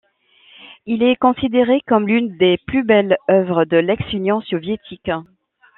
Il est considéré comme l'une des plus belles œuvres de l'ex-Union Soviétique.